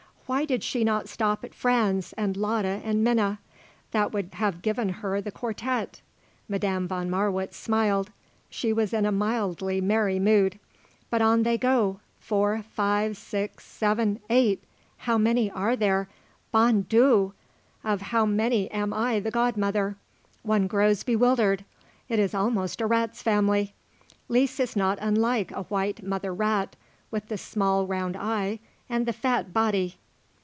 Why did she not stop at Franz and Lotta and Minna? That would have given her the quartette," Madame von Marwitz smiled she was in a mildly merry mood. "But on they go four, five, six, seven, eight how many are there bon Dieu! of how many am I the god mother? One grows bewildered. It is almost a rat's family. Lise is not unlike a white mother rat, with the small round eye and the fat body."